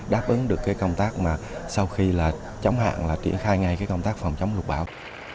đáp ứng được công tác sau khi chống hạn là triển khai ngay công tác phòng chống lục bão